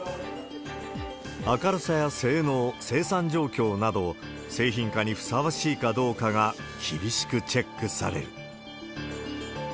明るさや性能、生産状況など、製品化にふさわしいかどうかが、厳しくチェックされる。